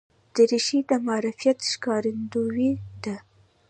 دریشي د معرفت ښکارندوی ده.